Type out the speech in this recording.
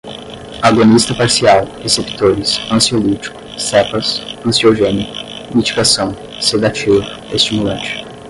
agonista parcial, receptores, ansiolítico, cepas, ansiogênico, mitigação, sedativo, estimulante